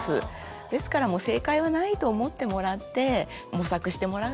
ですから正解はないと思ってもらって模索してもらうのがいいですね。